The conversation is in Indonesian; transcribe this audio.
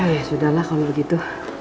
ya sudah lah kalau begitu